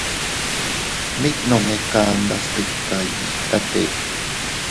Mit nome kandas tika iyditate.